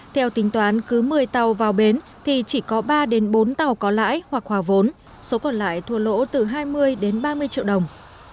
theo tính toán cứ một mươi tàu vào bến thì chỉ có ba bốn tàu có lãi hoặc hòa vốn số còn lại thua lỗ từ hai mươi đến ba mươi triệu đồng